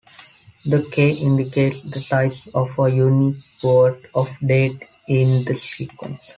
The "k" indicates the size of a unique word of data in the sequence.